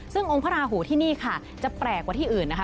ซึ่งองค์พระราหูที่นี่ค่ะจะแปลกกว่าที่อื่นนะคะ